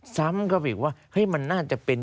ซ้ำกับอีกว่าให้มันน่าจะเป็น